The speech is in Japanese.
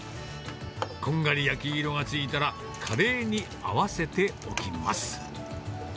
こんがり焼き色がついたら、カレーに合わせておきます。